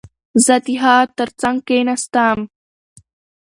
زه د هغه ترڅنګ کښېناستم.